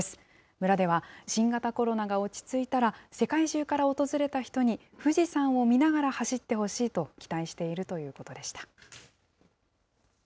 村では新型コロナが落ち着いたら、世界中から訪れた人に富士山を見ながら走ってほしいと期待しているということでした。